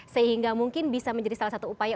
sehingga mungkin bisa menjadi salah satu upaya